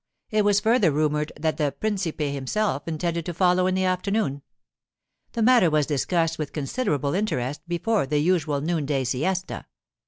It was further rumoured that the principe himself intended to follow in the afternoon. The matter was discussed with considerable interest before the usual noonday siesta.